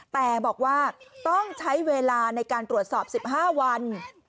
แต่บอกว่าต้องใช้เวลาในการตรวจสอบ๑๕วัน